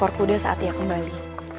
saya mencari kuda saat ia kembali